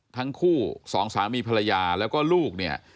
ทั้งคู่สองสามีภรรยาแล้วก็ลูกเนี่ย